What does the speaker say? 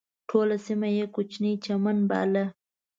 ټوله سیمه یې کوچنی چمن باله.